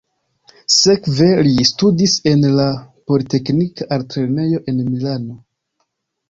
Sekve li studis en la politeknika altlernejo en Milano.